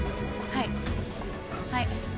はいはい。